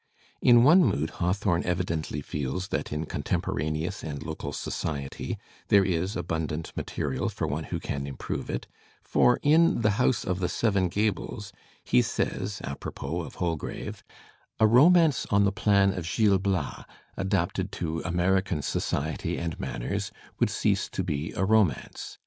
In one mood Haw thorne evidently feels that in contemporaneous and local soci ety there is abundant material for one who can improve it, for in "The House of the Seven Gables" he says apropos of Hol Digitized by Google HAWTHORNE 81 grave :'^ A romance on the plan of Gil Bias, adapted to Ameri can society and manners, would cease to be a romance.